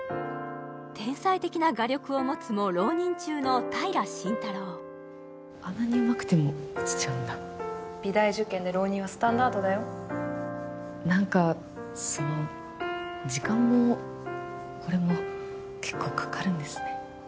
天才的な画力を持つも浪人中の平真太郎あんなにうまくても落ちちゃうんだ美大受験で浪人はスタンダードだよ何かその時間もこれも結構かかるんですね